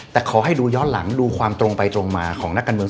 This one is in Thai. แต่ขอให้ดูย้อนหลังดูความตรงไปตรงมาของนักการเมือง